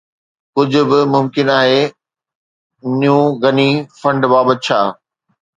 ڪجهه به ممڪن آهي نيو گني فنڊ بابت ڇا؟